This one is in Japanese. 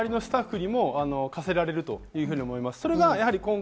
周りのスタッフにも課せられるというふうに思います。